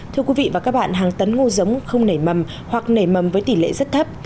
thưa quý vị và các bạn hàng tấn ngô giống không nảy mầm hoặc nảy mầm với tỷ lệ rất thấp